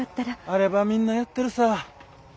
あればみんなやってるさ。